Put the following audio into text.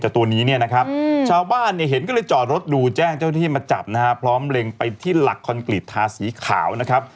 แต่ตัวนี้เนี่ยนะครับชาวบ้านเนี่ยเห็นก็เลยจอดรถดูแจ้งเจ้าหน้าที่มาจับนะฮะพร้อมเล็งไปที่หลักคอนกรีตทาสีขาวนะครับ